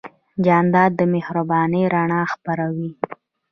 جانداد د مهربانۍ رڼا خپروي.